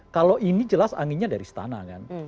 kalau ini jelas anginnya dari istana kan